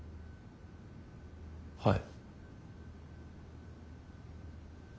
はい。